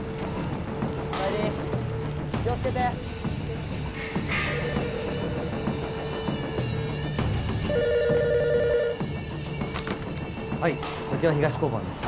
お帰り気をつけてはいときわ東交番です